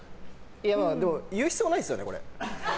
でも、言う必要ないですよねこれ。